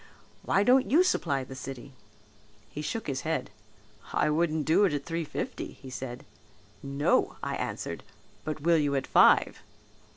Why don't you supply the city?' He shook his head, 'I wouldn't do it at three fifty,' he said. 'No,' I answered, 'but will you at five?'